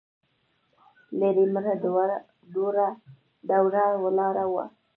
ليرې مړه دوړه ولاړه وه.